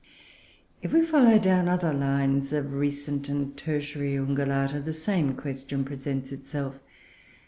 If we follow down other lines of recent and tertiary Ungulata, the same question presents itself.